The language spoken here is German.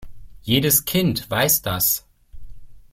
Jedes Kind weiß das.